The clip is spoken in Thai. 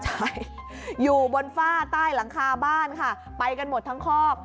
ใช่อยู่บนฝ้าใต้หลังคาบ้านค่ะไปกันหมดทั้งคอก